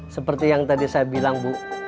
seperti yang tadi saya bilang bu